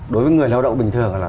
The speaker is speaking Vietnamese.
đối với người lao động bình thường là